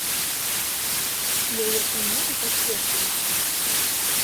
І яе сумневы пацвердзіліся.